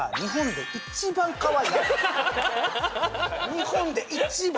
日本で一番！